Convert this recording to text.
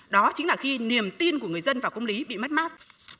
đó chính là khi niềm tin của người dân vào công lý bị mất mát